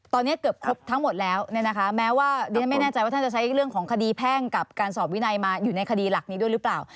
ตอนนี้เกือบครบทั้งหมดแล้วเนี่ยนะคะแม้ว่าดิฉันไม่แน่ใจว่าท่านจะใช้เรื่องของคดีแพ่งกับการสอบวินัยมาอยู่ในคดีหลักนี้ด้วยหรือเปล่า